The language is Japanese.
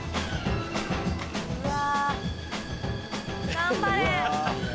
頑張れ。